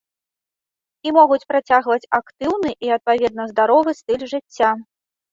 І могуць працягваць актыўны і адпаведна здаровы стыль жыцця.